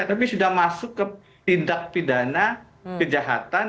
tapi sudah masuk ke tindak pidana kejahatan